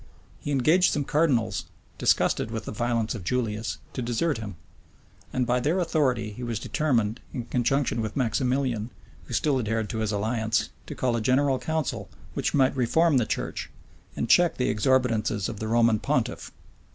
He engaged some cardinals, disgusted with the violence of Julius, to desert him; and by their authority he was determined, in conjunction with Maximilian, who still adhered to his alliance, to call a general council, which might reform the church, and check the exorbitances of the Roman pontiff.